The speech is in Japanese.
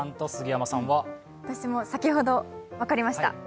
私も先ほど分かりました。